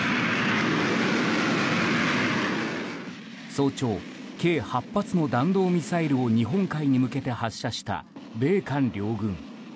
早朝、計８発の弾道ミサイルを日本海に向けて発射した米韓両軍。